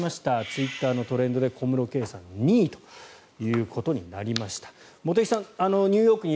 ツイッターのトレンドで「小室圭さん」２位ということになりました。